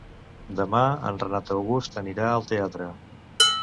Demà en Renat August anirà al teatre.